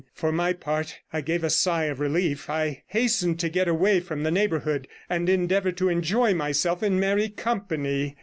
For my part, I gave a sigh of relief; I hastened to get away from the neighbourhood, and endeavoured to enjoy myself in merry company.